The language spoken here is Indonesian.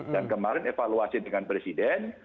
dan kemarin evaluasi dengan presiden